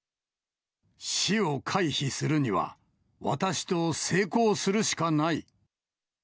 死を回避するには、私と性交するしかない。